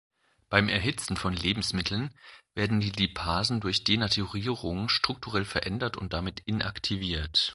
Beim Erhitzen von Lebensmitteln werden die Lipasen durch Denaturierung strukturell verändert und damit inaktiviert.